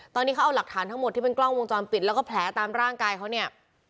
ตอนนี้เขาเอาหลักฐานทั้งหมดที่เป็นกล้องวงจรปิดแล้วก็แผลตามร่างกายเขาเนี่ย